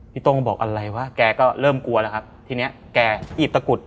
โต้งบอกอะไรวะแกก็เริ่มกลัวแล้วครับทีเนี้ยแกอีบตะกุด